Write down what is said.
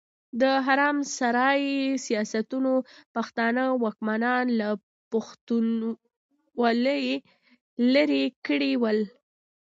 د حرم سرای سياستونو پښتانه واکمنان له پښتونولي ليرې کړي ول.